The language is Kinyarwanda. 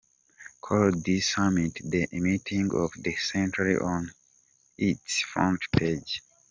called the summit "the meeting of the century" on its front page.